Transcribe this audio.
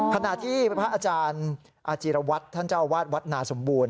ขณะที่พระอาจารย์อาจิรวัตรท่านเจ้าอาวาสวัดนาสมบูรณ